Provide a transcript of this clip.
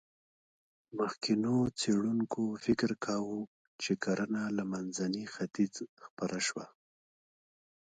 مخکېنو څېړونکو فکر کاوه، چې کرنه له منځني ختیځ خپره شوه.